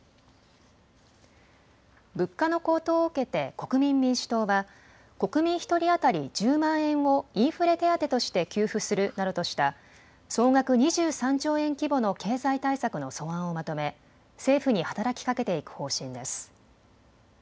物価の高騰を受けて国民民主党は国民１人当たり１０万円をインフレ手当として給付するなどとした総額２３兆円規模の経済対策の素案をまとめ政府に働きかけていく方針です。